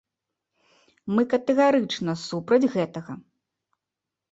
Мы катэгарычна супраць гэтага.